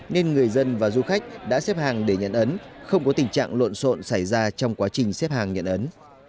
nên người dân và du khách đã xếp hàng để nhận ấn không có tình trạng lộn xộn xảy ra trong quá trình xếp hàng nhận ấn